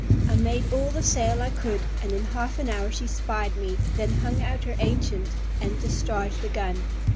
I made all the sail I could, and in half an hour she spied me, then hung out her ancient, and discharged a gun.